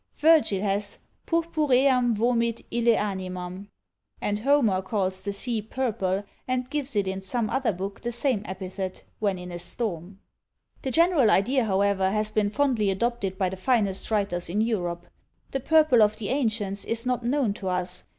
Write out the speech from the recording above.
Virgil has Purpuream vomit ille animam; and Homer calls the sea purple, and gives it in some other book the same epithet, when in a storm. The general idea, however, has been fondly adopted by the finest writers in Europe. The PURPLE of the ancients is not known to us.